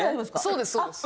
そうですそうです。